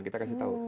kita kasih tau